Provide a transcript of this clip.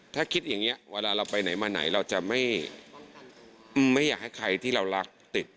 ถ้าคิดอย่างนี้เวลาเราไปไหนมาไหนเราจะไม่อยากให้ใครที่เรารักติด